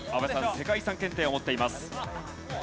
世界遺産検定を持っています。